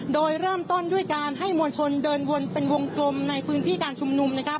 โดยเริ่มต้นด้วยการให้มวลชนเดินวนเป็นวงกลมในพื้นที่การชุมนุมนะครับ